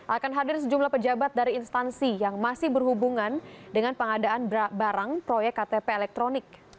akan hadir sejumlah pejabat dari instansi yang masih berhubungan dengan pengadaan barang proyek ktp elektronik